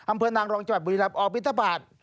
อำเภอนางรองจับบริรับอปิศบาท